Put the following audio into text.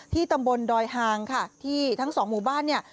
ตำบลดอยหางค่ะที่ทั้งสองหมู่บ้านเนี่ย